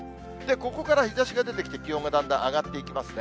ここから日ざしが出てきて、気温がだんだん上がっていきますね。